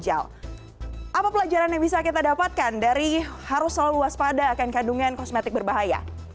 apa pelajaran yang bisa kita dapatkan dari harus selalu waspada akan kandungan kosmetik berbahaya